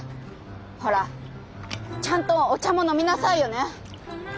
ほらちゃんとお茶も飲みなさいよね！